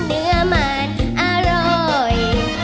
เนื้อมันอร่อย